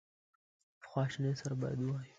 په خواشینی سره باید ووایو.